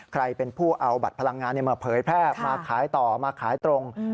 ใครเป็นผู้เอาบัตรพลังงานมาเผยแพร่มาขายต่อมาขายตรง